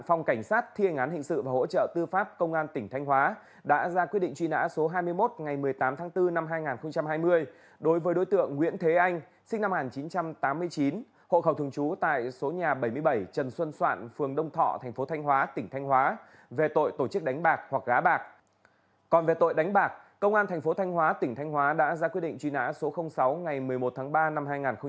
công an tp thanh hóa tỉnh thanh hóa đã ra quyết định truy nã số sáu ngày một mươi một tháng ba năm hai nghìn hai mươi